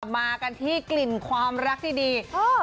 มากันที่กลิ่นความรักที่ดี